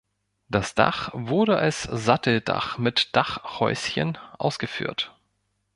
Das Dach wurde als Satteldach mit Dachhäuschen ausgeführt.